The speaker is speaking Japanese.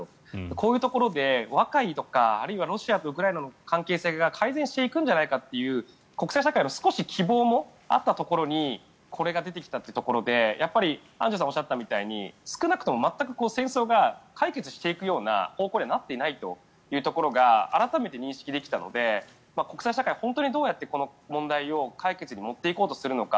こういうところで和解とかあるいはロシアとウクライナの関係性が改善していくんじゃないかという国際社会の少し、希望もあったところにこれが出てきたというところでアンジュさんがおっしゃったみたいに少なくとも、全く戦争が解決していく方向にはなっていないというところが改めて認識できたので国際社会、本当にどうやってこの問題を解決に持っていこうとするのか